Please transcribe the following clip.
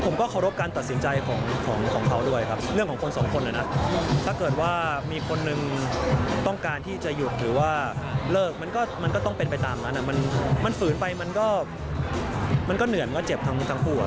มันก็เหนื่อยมันก็เจ็บทั้งคู่อ่ะ